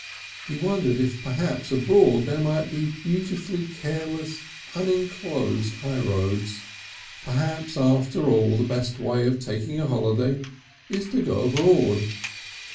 He wondered if perhaps abroad there might be beautifully careless, unenclosed high roads. Perhaps after all the best way of taking a holiday is to go abroad.